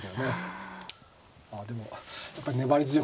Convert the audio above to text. あでもやっぱり粘り強くだ。